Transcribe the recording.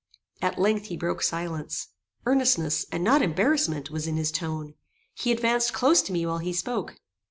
At length, he broke silence. Earnestness, and not embarrassment, was in his tone. He advanced close to me while he spoke.